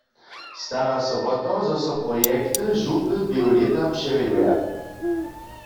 Stara so wo to, zo so projekty župy w běhu lěta přewjeduja.